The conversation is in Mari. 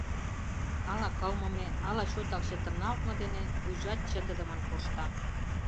Ала кылмыме, ала чотак чытырналтме дене вуйжат чытыдымын коршта.